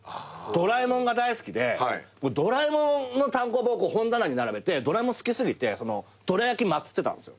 『ドラえもん』が大好きで『ドラえもん』の単行本本棚に並べて『ドラえもん』好き過ぎてどら焼き祭ってたんすよ。